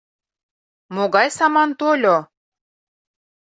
Могай саман тольо?!.